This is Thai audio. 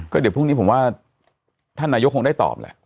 เดี๋ยวพรุ่งนี้ผมว่าท่านนายกคงได้ตอบแหละ